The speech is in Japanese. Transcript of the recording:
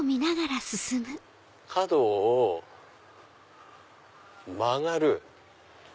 角を曲がる。